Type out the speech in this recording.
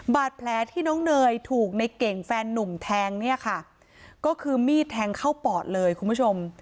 บาดแผลที่น้องเนยถูกในเก่งแฟนนุ่มแทงเนี่ยค่ะก็คือมีดแทงเข้าปอดเลยคุณผู้ชม